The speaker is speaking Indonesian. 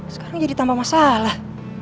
sekarang jadi tambah masalah